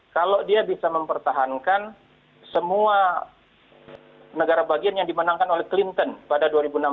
kalau dia bisa mempertahankan semua negara bagian yang dimenangkan oleh clinton pada dua ribu enam belas